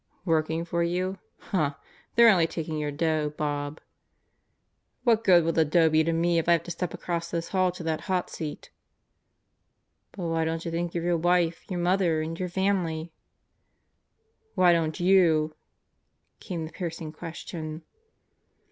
"Working for you? Huh! They're only taking your dough, Bob." "What good will the dough be to me if I have to step across this hall to that hot seat?" "But why don't you think of your wife, your mother, and your family. ..." "Why don't you?" came the piercing question.